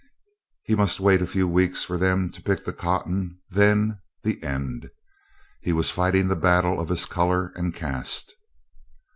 He must wait a few weeks for them to pick the cotton then, the end. He was fighting the battle of his color and caste.